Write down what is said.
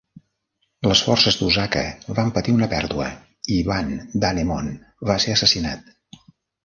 Les forces d'Osaka van patir una pèrdua i Ban Danemon va ser assassinat.